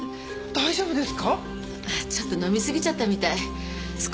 大丈夫です。